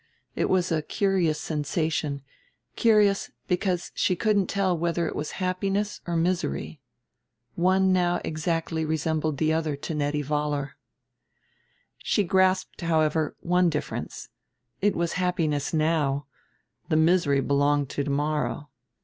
It was a curious sensation, curious because she couldn't tell whether it was happiness or misery. One now exactly resembled the other to Nettie Vollar. She grasped, however, one difference it was happiness now, the misery belonged to tomorrow.